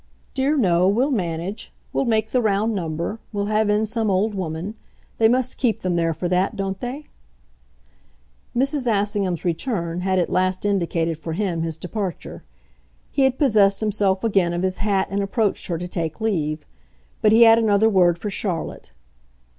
"Dear no we'll manage. We'll make the round number we'll have in some old woman. They must keep them there for that, don't they?" Mrs. Assingham's return had at last indicated for him his departure; he had possessed himself again of his hat and approached her to take leave. But he had another word for Charlotte.